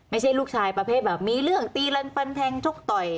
ไม่ใช่ลูกชายประเภทแบบมีเรื่องตีรันฟันแทงชกต่อย